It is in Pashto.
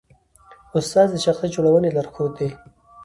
استاد د شخصیت جوړونې لارښود دی.